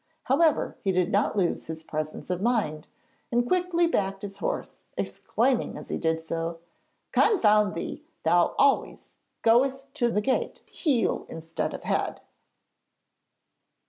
However, he did not lose his presence of mind, and quickly backed his horse, exclaiming as he did so: 'Confound thee! thou always goest to the gate heel instead of the head.'